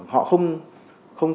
họ không dám cộng tác